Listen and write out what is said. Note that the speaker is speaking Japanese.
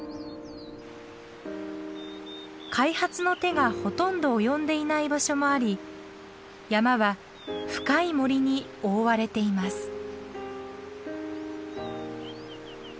開発の手がほとんど及んでいない場所もあり山は深い森に覆われています。